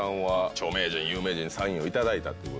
著名人や有名人にサインを頂いたっていうことは。